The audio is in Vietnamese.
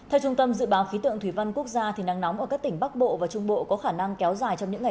về chung tay xây dựng nông thôn mới ở vùng cao tây trà